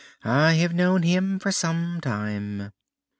I have known him for some time!"